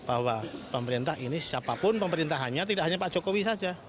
bahwa pemerintah ini siapapun pemerintahannya tidak hanya pak jokowi saja